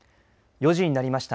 ４時になりました。